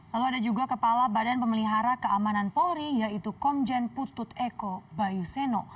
lalu ada juga kepala badan pemelihara keamanan polri yaitu komjen putut eko bayuseno